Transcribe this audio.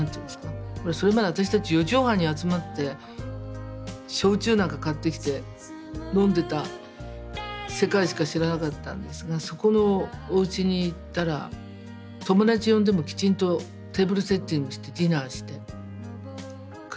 ほらそれまで私たち四畳半に集まって焼酎なんか買ってきて飲んでた世界しか知らなかったんですがそこのおうちに行ったら友達呼んでもきちんとテーブルセッティングしてディナーしてくれて。